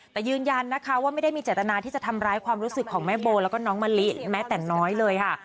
แต่ยืนยันนะคะว่าไม่ได้มีเจตนาที่จะทำร้ายความรู้สึกของแม่โบแล้วก็น้องมะลิแม้แต่น้อยเลยค่ะ